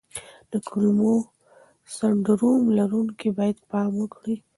د کولمو سنډروم لرونکي باید پام وکړي.